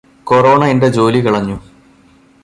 corona എന്റെ ജോലി കളഞ്ഞു